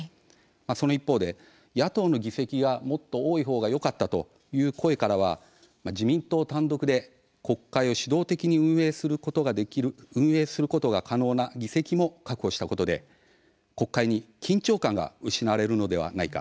その一方で野党の議席がもっと多いほうがよかったという声からは自民党単独で国会を主導的に運営することが可能な議席も確保したことで国会に緊張感が失われるのではないか。